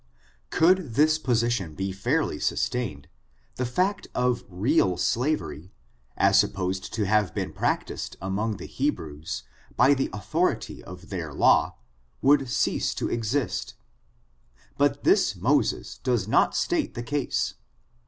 Could this position be fairly sustained, the fact of real slavery, as supposed to have been practiced among the Hebrews, by the authority of their /ouf, would cease to exist; Imt thus Moses does not state the case.